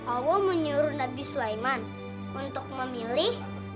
allah menyuruh nabi sulaiman untuk memilih